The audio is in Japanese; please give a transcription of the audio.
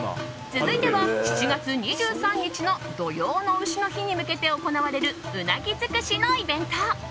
続いては、７月２３日の土用の丑の日に向けて行われるうなぎ尽くしのイベント。